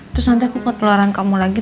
terus nanti aku ke teluran kamu lagi